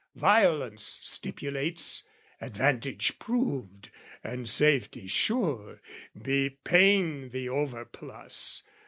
Violence stipulates "Advantage proved, "And safety sure, be pain the overplus!